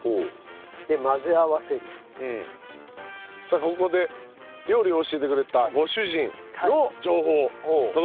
さあここで料理を教えてくれたご主人の情報届いております。